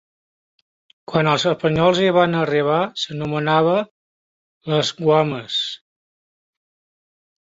Quan els espanyols hi van arribar, s'anomenava Las Guamas.